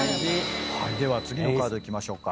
では次のカードいきましょうか。